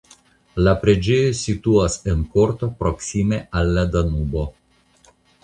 La preĝejo situas en korto proksime al la Danubo.